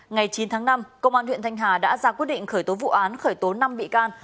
ngày chín tháng năm công an huyện thanh hà đã ra quyết định khởi tố vụ án khởi tố năm bị can